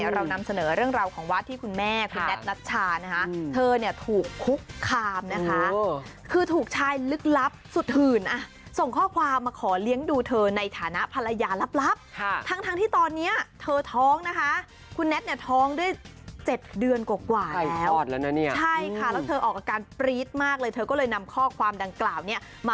เรานำเสนอเรื่องราวของวาดที่คุณแม่